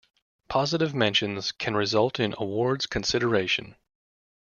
Positive mentions can result in awards consideration.